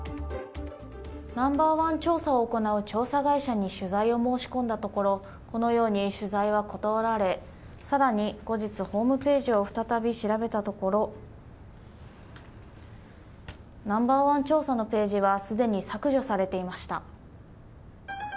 ナンバー１調査を行う調査会社に取材を申し込んだところこのように取材は断られ更に、後日ホームページを再び調べたところナンバー１調査のページはすでに削除されていました。